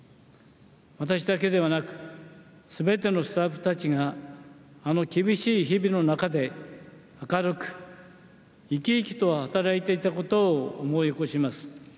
私だけではなく全てのスタッフたちがあの厳しい日々の中で明るく生き生きと働いていたことを思い起こします。